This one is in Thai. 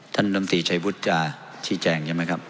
ท่านดำตีชัยวุทธ์ชี้แจงใช่ไหมครับ